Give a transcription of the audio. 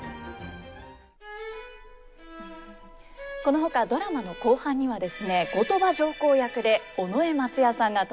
このほかドラマの後半にはですね後鳥羽上皇役で尾上松也さんが登場します。